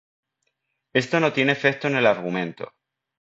Esto no tiene efecto en el argumento.